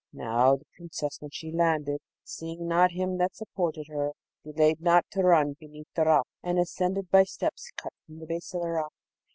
Now, the Princess when she landed, seeing not him that supported her, delayed not to run beneath the rock, and ascended by steps cut from the base of the rock.